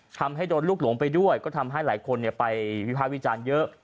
ทำให้โดนลูกหลงไปด้วยก็ทำให้หลายคนไปวิภาควิจารณ์เยอะ